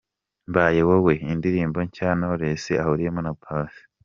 'Mbaye Wowe' indirimbo nshya Knowless ahuriyemo na Passy.